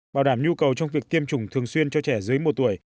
bảo đảm nhu cầu trong việc tiêm chủng thường xuyên cho trẻ dưới một tuổi